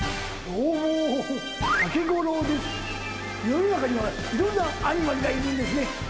世の中にはいろんなアニマルがいるんですね。